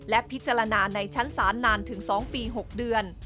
และพิจารณาในชั้นศาลนานถึง๒ปี๖เดือน